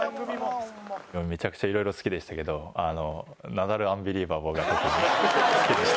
めちゃくちゃいろいろ好きでしたけどナダル・アンビリバボーが特に好きでしたね。